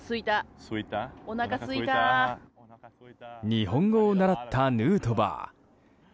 日本語を習ったヌートバー。